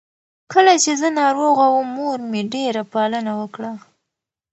کله چې زه ناروغه وم، مور مې ډېره پالنه وکړه.